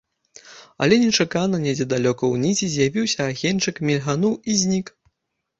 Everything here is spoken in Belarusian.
Але нечакана недзе далёка ўнізе з'явіўся агеньчык, мільгануў і знік.